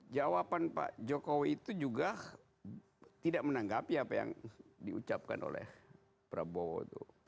jawaban pak jokowi itu juga tidak menanggapi apa yang diucapkan oleh prabowo itu